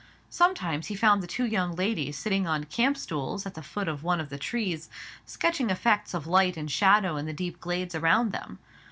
Sometimes he found the two young ladies sitting on camp stools at the foot of one of the trees, sketching effects of light and shadow in the deep glades around them.